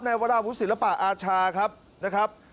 วราวุศิลปะอาชาครับนะครับ